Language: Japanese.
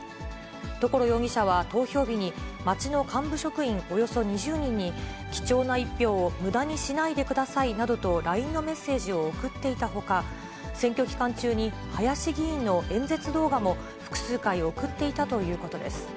所容疑者は投票日に、町の幹部職員およそ２０人に、貴重な一票をむだにしないでくださいなどとＬＩＮＥのメッセージを送っていたほか、選挙期間中に、林議員の演説動画も複数回送っていたということです。